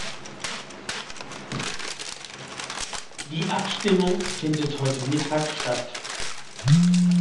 Die Abstimmung findet heute Mittag statt.